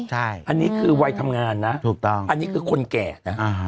อันนี้คือวัยทำงานนะถูกต้องอันนี้คือคนแก่นะ